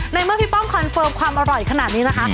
ในเมื่อพี่ป้องคอนเฟิร์มความอร่อยขนาดนี้นะคะ